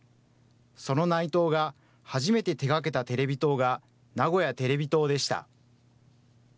その内藤が初めて手がけたテレビ塔が、名古屋テレビ塔でした。